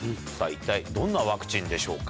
一体どんなワクチンでしょうか？